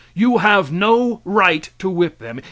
You have no right to whip them.